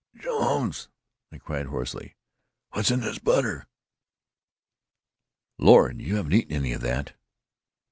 "Jones!" I cried hoarsely. "What's in this butter?" "Lord! you haven't eaten any of that.